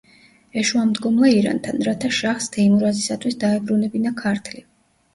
ეშუამდგომლა ირანთან, რათა შაჰს თეიმურაზისათვის დაებრუნებინა ქართლი.